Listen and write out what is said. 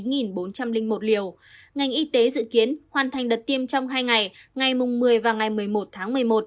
ngành y tế dự kiến hoàn thành đợt tiêm trong hai ngày ngày một mươi và ngày một mươi một tháng một mươi một